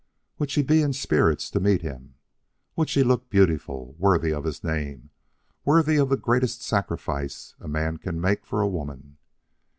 Would she be in spirits to meet him? Would she look beautiful worthy of his name, worthy of the greatest sacrifice a man can make for a woman?